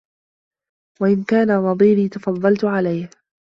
وَإِنْ كَانَ نَظِيرِي تَفَضَّلْت عَلَيْهِ